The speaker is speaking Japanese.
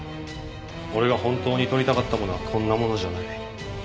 俺が本当に撮りたかったものはこんなものじゃない。